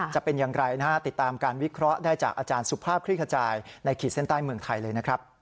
จะเป็นอย่างไรนะฮะติดตามการวิเคราะห์ได้จากอาจารย์สุภาพคลิกขจายในขีดเส้นใต้เมืองไทยเลยนะครับ